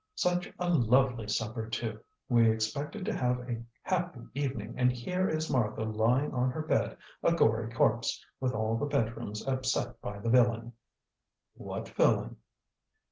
"Such a lovely supper, too! We expected to have such a happy evening, and here is Martha lying on her bed a gory corpse, with all the bedrooms upset by the villain!" "What villain?"